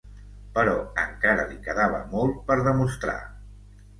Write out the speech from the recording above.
Però encara li quedava molt per demostrar.